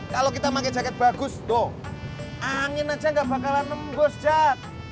kalau kita pakai jaket bagus dong angin aja gak bakalan nembus cat